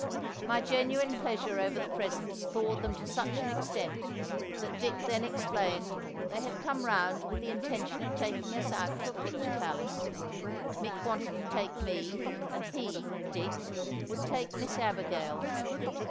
My genuine pleasure over the presents thawed them to such an extent, that Dick then explained they had come round with the intention of taking us out to a picture palace; Mick wanted to take me, and he, Dick, would take Miss Abigail.